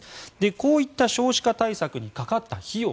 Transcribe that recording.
こういった少子化対策にかかった費用